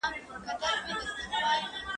زه ښوونځی ته نه ځم!.